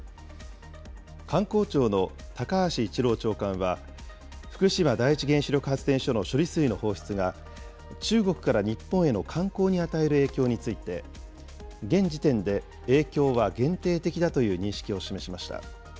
観光庁の高橋一郎長官は、福島第一原子力発電所の処理水の放出が、中国から日本への観光に与える影響について、現時点で影響は限定的だという認識を示しました。